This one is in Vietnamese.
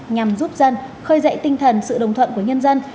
nhằm giúp dân khơi dậy tinh thần sự đồng thuận của nhân dân